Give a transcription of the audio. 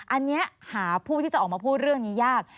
อันนี้หาผู้ที่จะออกมาพูดเรื่องนี้ยาก